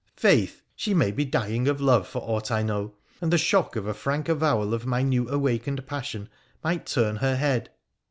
Faith ! she may be dying of love for aught I know, and the shock of a frank avowal of my new awakened passion might turn her head.'